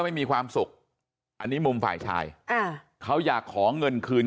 ไม่มีความสุขอันนี้มุมฝ่ายชายอ่าเขาอยากขอเงินคืน